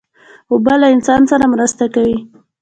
اوبه له انسان سره مرسته کوي.